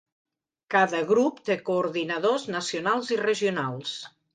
Cada grup té coordinadors nacionals i regionals.